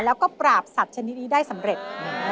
แล้วก็ปราบสัตว์ชนิดนี้ได้สำเร็จ